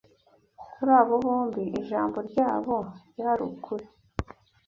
Kuri abo bombi ijambo ryabo ryari ukuri